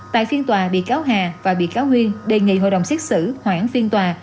tại phiên tòa bị cáo hà và bị cáo huyên đề nghị hội đồng xét xử hoãn phiên tòa